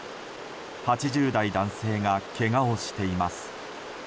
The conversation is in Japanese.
８０代男性がけがをしています。